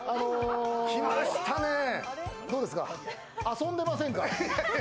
あの、遊んでませんか？